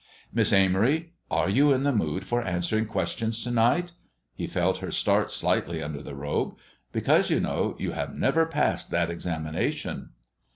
"Miss Amory, are you in a mood for answering questions to night?" He felt her start slightly under the robe. "Because, you know, you have never passed that examination."